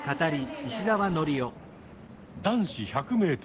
男子１００ｍ。